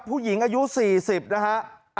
ผู้หญิงอายุ๔๐นะฮะ